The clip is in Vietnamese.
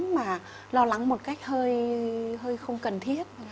mà lo lắng một cách hơi không cần thiết